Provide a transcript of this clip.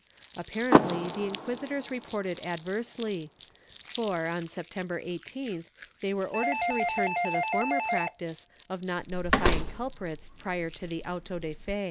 Apparently the inquisitors reported adversely for, on September 18th, they were ordered to return to the former practice of not notifying culprits prior to the auto de fe.